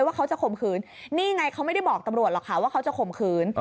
ว่าเขาจะข่มขืนนี่ไงเขาไม่ได้บอกตำรวจหรอกค่ะว่าเขาจะข่มขืน